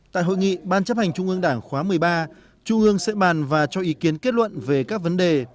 tại hội nghị ban chấp hành trung ương đảng khóa một mươi ba trung ương sẽ bàn và cho ý kiến kết luận về các vấn đề